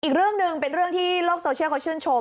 อีกเรื่องหนึ่งเป็นเรื่องที่โลกโซเชียลเขาชื่นชม